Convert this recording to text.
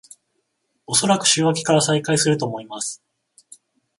おそらく週明けから再開すると思います